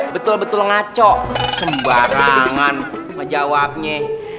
betul betul ngaco sembarangan menjawabnya